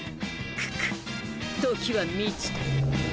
クク時は満ちた。